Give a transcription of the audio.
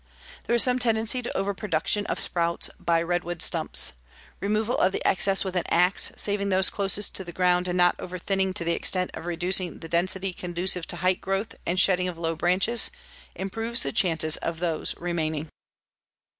There is some tendency to over production of sprouts by redwood stumps. Removal of the excess with an ax, saving those closest to the ground and not over thinning to the extent of reducing the density conducive to height growth and shedding of low branches, improves the chances of those remaining.